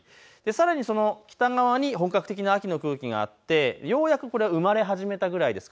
さらにその北側に本格的な秋の空気があって、ようやくこれが生まれ始めたくらいです。